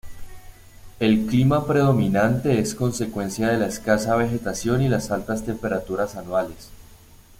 El clima predominante es consecuencia de la escasa vegetación y las altas temperaturas anuales".